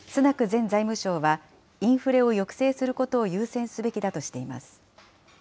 前財務相はインフレを抑制することを優先すべきだとしています。